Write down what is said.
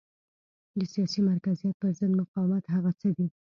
د سیاسي مرکزیت پرضد مقاومت هغه څه دي.